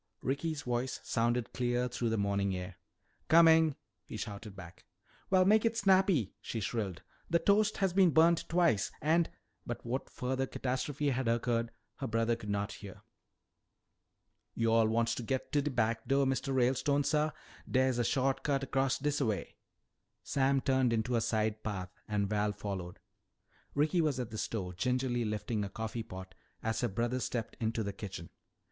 Ricky's voice sounded clear through the morning air. "Coming!" he shouted back. "Well, make it snappy!" she shrilled. "The toast has been burnt twice and " But what further catastrophe had occurred her brother could not hear. "Yo'all wants to git to de back do', Mistuh Ralestone, suh? Dere's a sho't cut 'cross dis a way." Sam turned into a side path and Val followed. Ricky was at the stove gingerly shifting a coffee pot as her brother stepped into the kitchen.